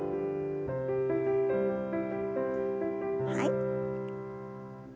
はい。